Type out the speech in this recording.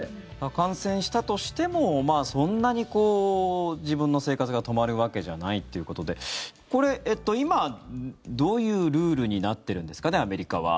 感染したとしてもそんなに自分の生活が止まるわけじゃないということで今、どういうルールになっているんですかねアメリカは。